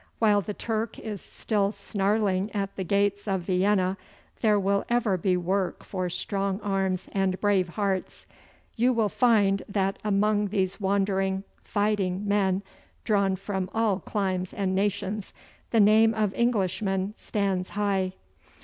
While the Turk is still snarling at the gates of Vienna there will ever be work for strong arms and brave hearts. You will find that among these wandering, fighting men, drawn from all climes and nations, the name of Englishman stands high.